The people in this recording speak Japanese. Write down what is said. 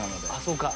そうか。